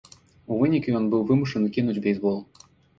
У выніку ён быў вымушаны кінуць бейсбол.